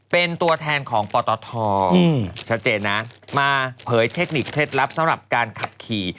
เป็นตัวแทนของปตทชัดเจนนะมาเผยเทคนิคเคล็ดลับสำหรับการขับขี่